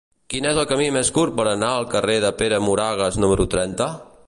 Quin és el camí més curt per anar al carrer de Pere Moragues número trenta?